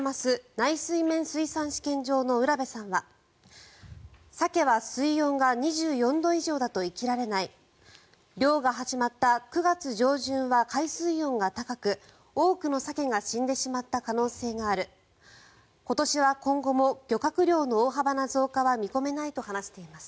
・内水面水産試験場の卜部さんはサケは水温が２４度以上だと生きられない漁が始まった９月上旬は海水温が高く多くのサケが死んでしまった可能性がある今年は今後も漁獲量の大幅な増加は見込めないと話しています。